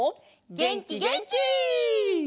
げんきげんき！